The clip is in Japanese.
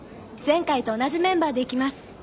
「前回と同じメンバーで行きます。